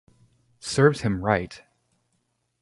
Serves him right.